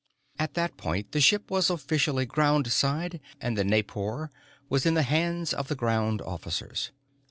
At that point, the ship was officially groundside, and the Naipor was in the hands of the ground officers.